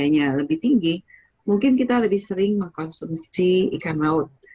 tiga tiga nya lebih tinggi mungkin kita lebih sering mengkonsumsi ikan laut